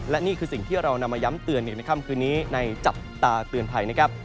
และนี่คือสิ่งที่เรานำมาย้ำเตือนในค่ำคืนนี้ในจับตาเตือนภัยนะครับ